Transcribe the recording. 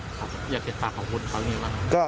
อยากเช็ดฝากขอบคุณครั้งนี้บ้างครับ